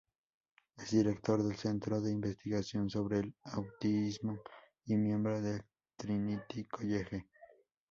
Es director del Centro de Investigación sobre el Autismo y miembro del Trinity College.